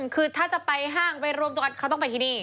คือถ้าจะไปห้างไปรวมตัวกันเขาต้องไปที่นี่